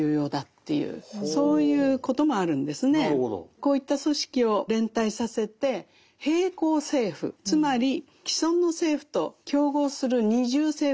こういった組織を連帯させて並行政府つまり既存の政府と競合する二重政府のようなものですね